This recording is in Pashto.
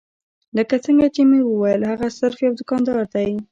لکه څنګه چې مې وويل هغه صرف يو دوکاندار دی.